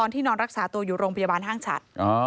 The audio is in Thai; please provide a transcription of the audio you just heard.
ที่นอนรักษาตัวอยู่โรงพยาบาลห้างฉัด